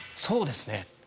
そうですね